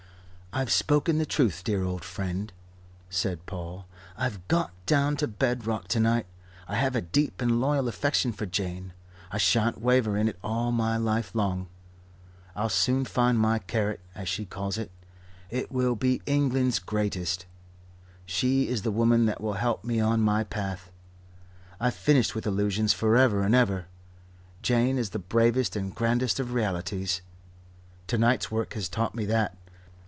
"I've spoken the Truth, dear old friend," said Paul. "I've got down to bed rock to night. I have a deep and loyal affection for Jane. I shan't waver in it all my life long. I'll soon find my carrot, as she calls it it will be England's greatness. She is the woman that will help me on my path. I've finished with illusions for ever and ever. Jane is the bravest and grandest of realities. To night's work has taught me that.